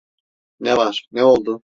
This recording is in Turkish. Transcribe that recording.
Ne var, ne oldu?